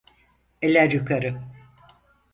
Eller yukarı!